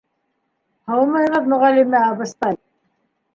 — Һаумыһығыҙ, мөғәллимә абыстай!